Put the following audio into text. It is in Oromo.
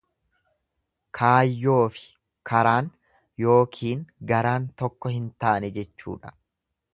Kaayyoofi karaan yookiin garaan tokko hin taane jechuudha.